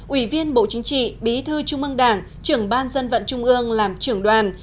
ủy viên bộ chính trị bí thư trung ương đảng trưởng ban dân vận trung ương làm trưởng đoàn